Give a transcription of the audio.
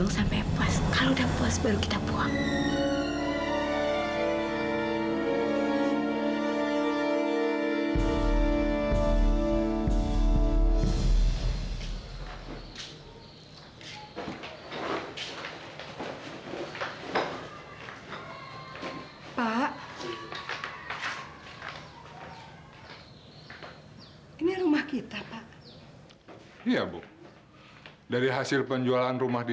sampai jumpa di video selanjutnya